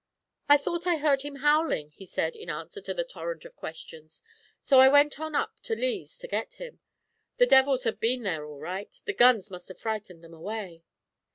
"I thought I heard him howling," he said, in answer to the torrent of questions, "so I went on up to Lee's to get him. The devils have been there all right, the guns must have frightened them away.